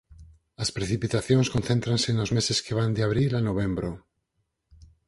As precipitacións concéntranse nos meses que van de abril a novembro.